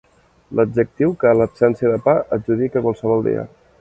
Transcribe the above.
L'adjectiu que l'absència de pa adjudica a qualsevol dia.